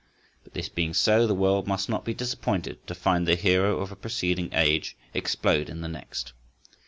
But this being so, the world must not be disappointed to find the hero of a preceding age explode in the next.